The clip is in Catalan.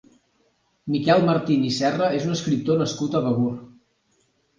Miquel Martín i Serra és un escriptor nascut a Begur.